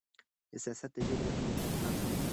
حساسيت د ژبې پرمختګ خنډ دی.